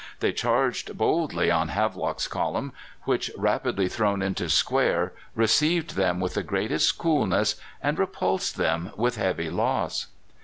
They charged boldly on Havelock's column, which, rapidly thrown into square, received them with the greatest coolness, and repulsed them with heavy loss.